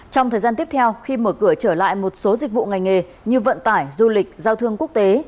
trong thời gian tiếp theo khi mở cửa trở lại một số dịch vụ ngành nghề như vận tải du lịch giao thương quốc tế